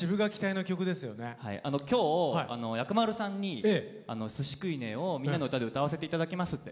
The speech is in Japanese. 今日薬丸さんに「スシ食いねェ！」を「みんなのうた」で歌わせて頂きますって。